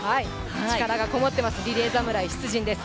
力がこもっています、リレー侍、出陣です。